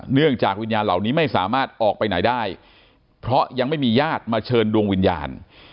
เนื่องจากวิญญาณเหล่านี้ไม่สามารถออกไปไหนได้เพราะยังไม่มีญาติมาเชิญดวงวิญญาณ